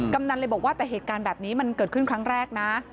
กำนันเลยบอกว่าแต่เหตุการณ์แบบนี้มันเกิดขึ้นครั้งแรกนะ